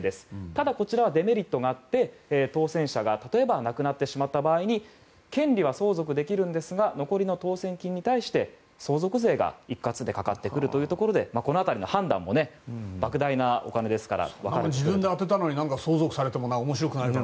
ただこちらはデメリットがあって当選者が例えば亡くなってしまった場合に権利は相続できるんですが残りの当選金に対して相続税が一括でかかってくるというところでこの辺りの判断も莫大なお金ですから分かれてくると。